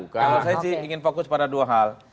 kalau saya sih ingin fokus pada dua hal